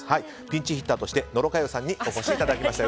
ピンチヒッターとして野呂佳代さんにお越しいただきました。